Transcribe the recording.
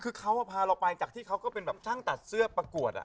คือเขาพาเราไปจากที่เขาก็เป็นแบบช่างตัดเสื้อประกวด